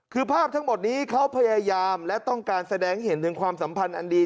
คือภาพทั้งหมดนี้เขาพยายามและต้องการแสดงเห็นถึงความสัมพันธ์อันดี